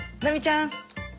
波ちゃん！